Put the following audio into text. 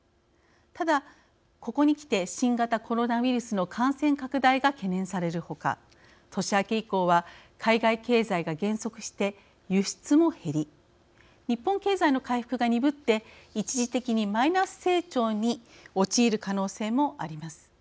ただここにきて新型コロナウイルスの感染拡大が懸念されるほか年明け以降は海外経済が減速して輸出も減り日本経済の回復が鈍って一時的にマイナス成長に陥る可能性もあります。